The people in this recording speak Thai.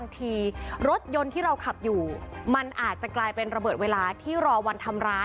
ติดตาม